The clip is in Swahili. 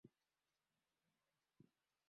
Haikuhusisha mazingira na masuala mengine